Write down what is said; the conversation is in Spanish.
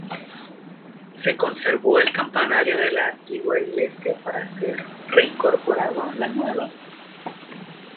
Se conservó el campanario de la antigua iglesia para ser reincorporado en la nueva.